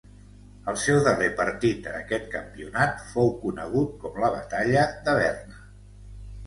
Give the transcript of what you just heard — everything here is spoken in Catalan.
El seu darrer partit en aquest campionat fou conegut com la Batalla de Berna.